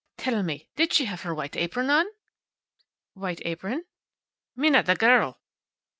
"Tell me, did she have her white apron on?" "White apron?" "Minna, the girl."